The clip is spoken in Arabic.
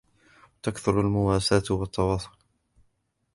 وَتُكْثِرُ الْمُوَاسَاةَ وَالتَّوَاصُلَ